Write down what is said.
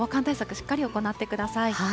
しっかり行ってください。